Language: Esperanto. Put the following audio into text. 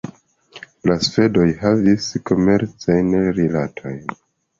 La svedoj havis komercajn rilatojn.